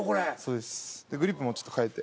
でグリップもちょっと変えて。